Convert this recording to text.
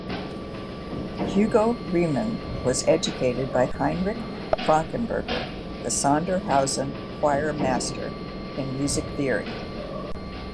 Hugo Riemann was educated by Heinrich Frankenberger, the Sondershausen Choir Master, in Music theory.